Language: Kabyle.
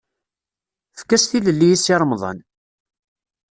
Efk-as tilelli i Si Remḍan!